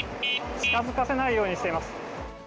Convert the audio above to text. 近づかせないようにしています。